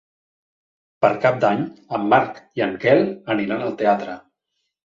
Per Cap d'Any en Marc i en Quel aniran al teatre.